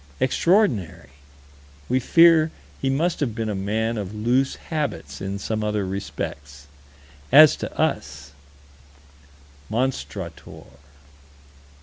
Extraordinary we fear he must have been a man of loose habits in some other respects. As to us Monstrator.